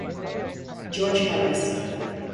George Harris.